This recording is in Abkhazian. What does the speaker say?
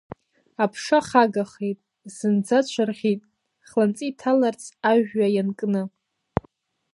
Аԥша хагахеит, зынӡа аҽарӷьит, хланҵы иҭаларц ажәҩа ианкны.